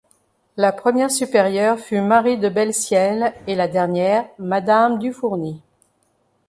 La première supérieure fut Marie de Belleciel et la dernière Madame du Fourny.